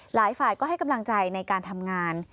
หลายฝ่ายก็ให้กำลังใจในการทำงาน